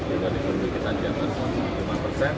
kita diperhatikan jangka lima persen